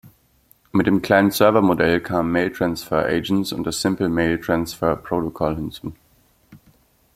Mit dem Client-Server-Modell kamen Mail Transfer Agents und das Simple Mail Transfer Protocol hinzu.